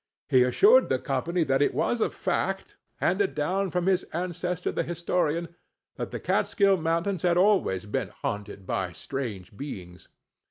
He assured the company that it was a fact, handed down from his ancestor the historian, that the Kaatskill mountains had always been haunted by strange beings.